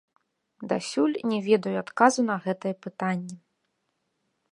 Дасюль не ведаю адказу на гэтае пытанне.